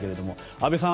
安部さん